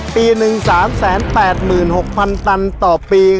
ปี๑๓๘๖๐๐๐ตันต่อปี